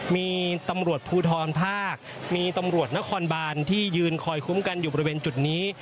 มีตำรวจภูทรภาคมีตำรวจนครบานที่ยืนคอยคุ้มกันอยู่บริเวณจุดนี้